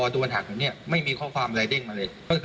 ค่ะแล้วตอนนี้ได้ยอดคืนนี้ยังครับ